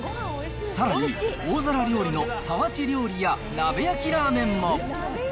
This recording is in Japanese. さらに、大皿料理の皿鉢料理や鍋焼きラーメンも。